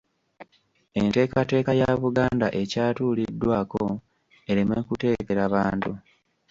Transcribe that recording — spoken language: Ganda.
Enteekateeka ya Buganda ekyatuuliddwako ereme kuteekera bantu.